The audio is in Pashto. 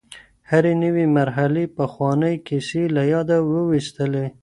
هرې نوې مرحلې پخوانۍ کیسې له یاده وویستلې.